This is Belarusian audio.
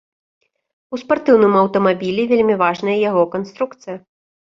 У спартыўным аўтамабілі вельмі важная яго канструкцыя.